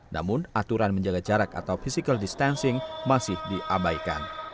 namun aturan menjaga jarak atau physical distancing masih diabaikan